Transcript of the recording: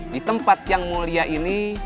di tempat yang mulia ini